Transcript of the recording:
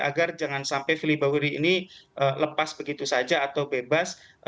agar jangan sampai fili bahuri ini lepas begitu saja atau bebas